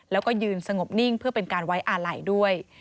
แล้วก็ยืนสงบนิ่งเพื่อเป็นการไว้อาลัยด้วย